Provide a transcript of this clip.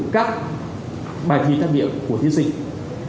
các bài thi trắc nghiệm của thiên sinh